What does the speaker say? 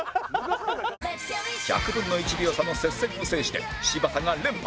１００分の１秒差の接戦を制して柴田が連覇